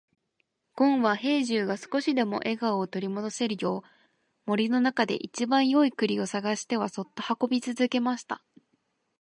ごんは兵十が少しでも笑顔を取り戻せるよう、森の中で一番よい栗を探してはそっと運び続けました。